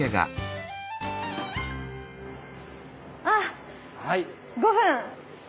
あっ５分。